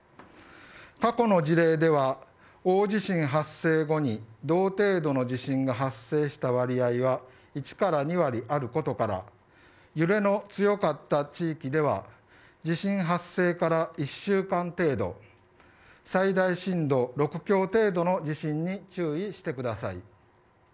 過去の事例では大地震発生後に同程度の地震が発生した割合は１から２割あることから揺れの強かった地域では地震発生から１週間程度最大震度６強程度の地震に注意してください。